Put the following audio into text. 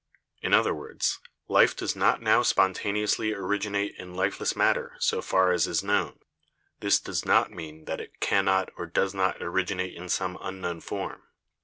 In other words, life does not now spontaneously originate in lifeless matter so far as is known. This does not mean that it cannot or does THE ORIGIN OF LIFE 45 not originate in some unknown form.